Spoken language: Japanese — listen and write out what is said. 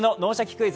クイズ」